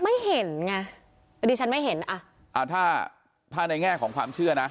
ไม่เห็นไงอันนี้ฉันไม่เห็นอ่ะอ่าถ้าถ้าในแง่ของความเชื่อนะ